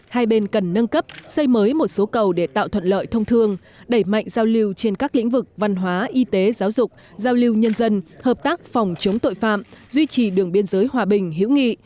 hai bên cần nâng cấp xây mới một số cầu để tạo thuận lợi thông thương đẩy mạnh giao lưu trên các lĩnh vực văn hóa y tế giáo dục giao lưu nhân dân hợp tác phòng chống tội phạm duy trì đường biên giới hòa bình hữu nghị